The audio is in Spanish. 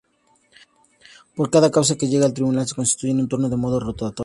Para cada causa que llega al Tribunal se constituye un turno de modo rotatorio.